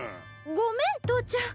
ごめん父ちゃん。